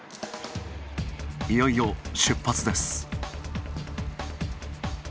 いよいよ出発です。